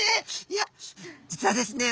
いや実はですね